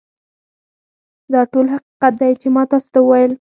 دا ټول حقیقت دی چې ما تاسو ته وویل